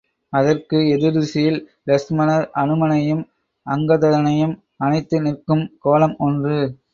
அதற்கு எதிர்திசையில், லக்ஷ்மணர் அனுமனையும் அங்கதனையும் அணைத்து நிற்கும் கோலம் ஒன்று.